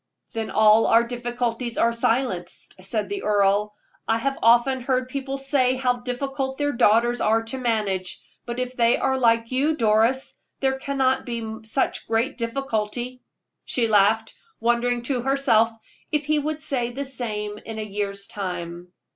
"Then all our difficulties are silenced," said the earl. "I have often heard people say how difficult their daughters are to manage; but if they are like you, Doris, there cannot be such great difficulty." She laughed, wondering to herself if he would say the same in a year's time.